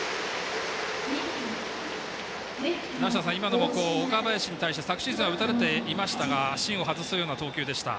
梨田さん、今のも岡林に対して昨シーズンは打たれていましたが芯を外すような投球でした。